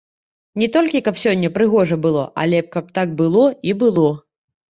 Не толькі каб сёння прыгожа было, але каб гэта было і было!